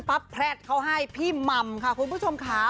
พับแพรดเขาให้พี่มำค่ะ